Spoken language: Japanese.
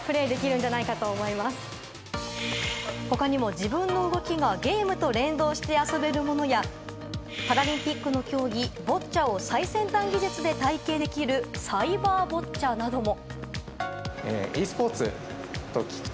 他にも自分の動きがゲームと連動して遊べるものやパラリンピックの競技ボッチャを最先端技術で体験できるサイバーボッチャなども。